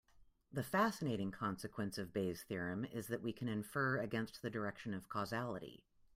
The fascinating consequence of Bayes' theorem is that we can infer against the direction of causality.